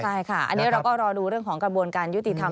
ใช่ค่ะอันนี้เราก็รอดูเรื่องของกระบวนการยุติธรรม